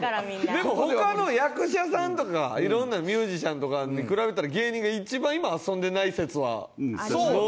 でも他の役者さんとかいろんなミュージシャンとかに比べたら芸人が一番今遊んでない説は濃厚ですよね。